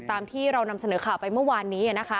ตามที่เรานำเสนอข่าวไปเมื่อวานนี้นะคะ